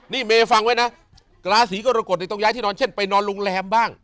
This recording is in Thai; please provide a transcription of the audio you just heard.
นี่เมย์ฟังไว้นะราศีกรกฎต้องย้ายที่นอนเช่นไปนอนโรงแรมบ้าง